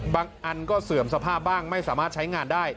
อันก็เสื่อมสภาพบ้างไม่สามารถใช้งานได้